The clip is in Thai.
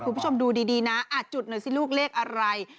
คุณผู้ชมดูดีนะจุดหน่อยสิลูกเลขอะไร